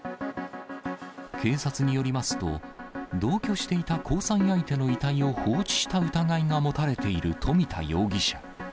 警察によりますと、同居していた交際相手の遺体を放置した疑いが持たれている富田容疑者。